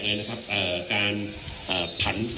คุณผู้ชมไปฟังผู้ว่ารัฐกาลจังหวัดเชียงรายแถลงตอนนี้ค่ะ